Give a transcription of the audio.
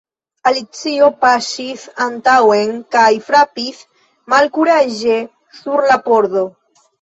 Alicio paŝis antaŭen kaj frapis malkuraĝe sur la pordo.